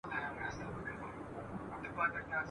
آیا د هغې د قبر په اړه اختلاف سته؟